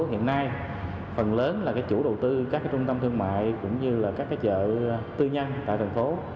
hiện nay phần lớn là chủ đầu tư các trung tâm thương mại cũng như là các chợ tư nhân tại thành phố